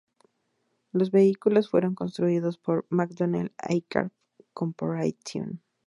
Los vehículos fueron construidos por McDonnell Aircraft Corporation.